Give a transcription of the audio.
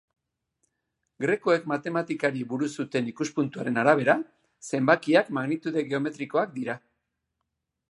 Grekoek matematikari buruz zuten ikuspuntuaren arabera, zenbakiak magnitude geometrikoak dira.